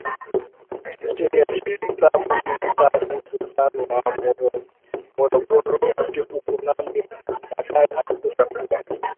chini ya Chifu Sabu Bin Sabu Sultan wa Morogoro Chifu Kunambi baadaye alikuja kuwa